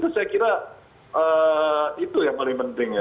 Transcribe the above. itu yang paling penting